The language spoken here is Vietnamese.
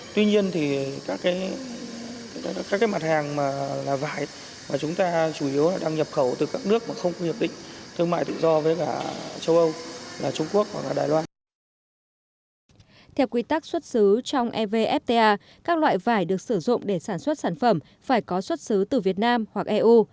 theo quy tắc xuất xứ trong evfta các loại vải được sử dụng để sản xuất sản phẩm phải có xuất xứ từ việt nam hoặc eu